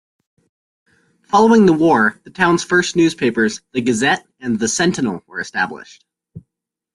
Following the war, the town's first newspapers, "The Gazette" and "The Centinel", were established.